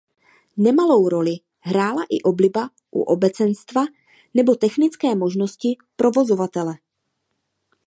Nemalou roli hrála i obliba u obecenstva nebo technické možnosti provozovatele.